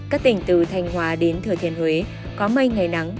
các tỉnh từ thành hòa đến thừa thiên huế có mây ngày nắng